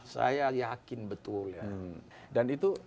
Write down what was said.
saya yakin betul ya